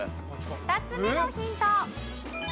２つ目のヒント。